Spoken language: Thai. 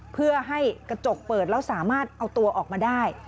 เพื่อให้กระจกเปิดแล้วสามารถเอาตัวออกมาได้